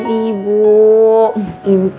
intinya ibu harus berjalan lancar